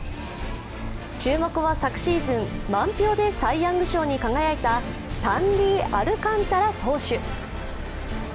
注目は、昨シーズン満票でサイ・ヤング賞に輝いたサンディ・アルカンタラ投手。